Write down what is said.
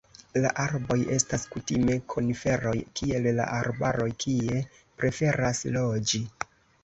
La arboj estas kutime koniferoj kiel la arbaroj kie preferas loĝi.